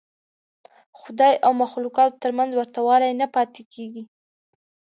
د خدای او مخلوقاتو تر منځ ورته والی نه پاتې کېږي.